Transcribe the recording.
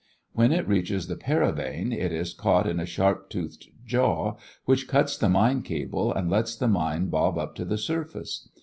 When it reaches the paravane it is caught in a sharp toothed jaw which cuts the mine cable and lets the mine bob up to the surface.